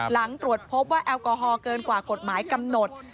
หลังตรวจพบว่าแอลกอฮอลเกินกว่ากฎหมายกำหนด